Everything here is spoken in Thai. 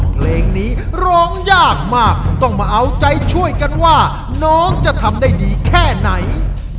เพลงนี้ร้องยากมากต้องมาเอาใจช่วยกันว่าน้องจะทำได้ดีแค่ไหน